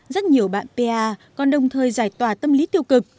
rất nhiều bạn pa còn đồng thời giải tỏa tâm lý tiêu cực